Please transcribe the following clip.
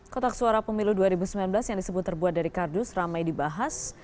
kotak suara pemilu dua ribu sembilan belas yang disebut terbuat dari kardus ramai dibahas